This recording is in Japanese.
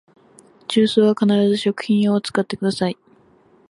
重曹は必ず食品用を使ってください